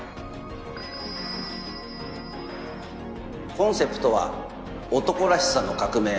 コンセプトは「男らしさの革命」。